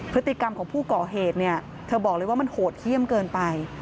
พฤติกรรมของผู้ก่อเหตุเนี่ยเธอบอกเลยว่ามันโหดเยี่ยมเกินไป